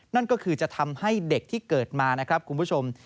นั่นก็คือจะทำให้เด็กที่เกิดมานะครับคุณผู้ชม